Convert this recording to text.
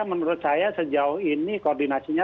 menurut saya sejauh ini koordinasinya